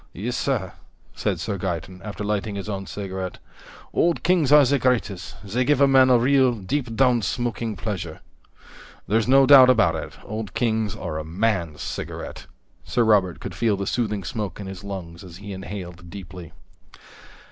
"Yes, sir," said Sir Gaeton, after lighting his own cigarette, "Old Kings are the greatest. They give a man real, deep down smoking pleasure." "There's no doubt about it, Old Kings are a man's cigarette." Sir Robert could feel the soothing smoke in his lungs as he inhaled deeply.